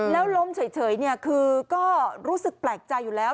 แล้วล้มเฉยคือก็รู้สึกแปลกใจอยู่แล้ว